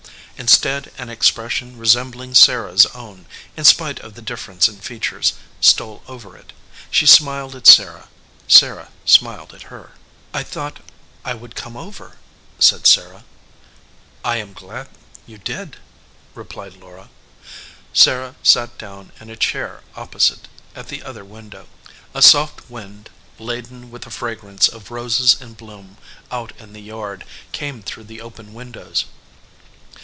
Instead, an expression resembling Sarah s own, in spite of the difference in features, stole over it. She smiled at Sarah. Sarah smiled at her. "I thought I would come over," said Sarah. "I am glad you did," replied Laura. Sarah sat down in a chair opposite at the other window. A soft wind laden with the fragrance of roses in bloom out in the yard came through the open windows.